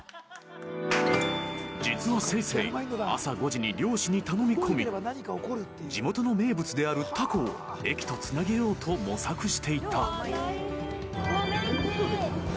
［実はせいせい朝５時に漁師に頼み込み地元の名物であるタコを駅とつなげようと模索していた］